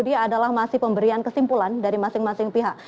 ini adalah masih pemberian kesimpulan dari masing masing pihak